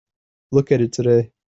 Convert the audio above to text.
Look at it today.